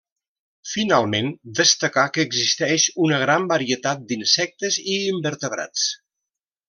Finalment destacar que existeix una gran varietat d'insectes i invertebrats.